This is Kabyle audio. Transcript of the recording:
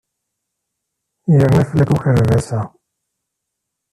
Yerna fell-ak ukerbas-a.